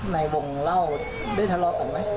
ในวงเล่าได้ทะเลาะกันไหม